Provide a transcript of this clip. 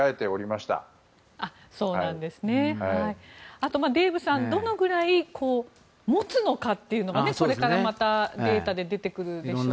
あと、デーブさんどのくらい持つのかっていうのがこれからまたデータで出てくるでしょうね。